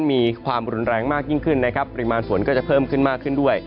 มีความรุนแรงมากยิ่งขึ้นนะครับปริมาณฝนก็จะเพิ่มขึ้นมากขึ้นด้วย